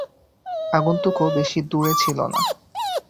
আগন্তুকও বেশি দূরে ছিল না।